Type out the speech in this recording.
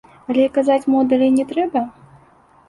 Але й казаць мо далей не трэба?